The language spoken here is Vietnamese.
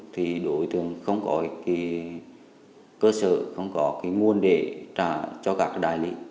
thì đối tượng không có cơ sở không có cái nguồn để trả cho các đại lý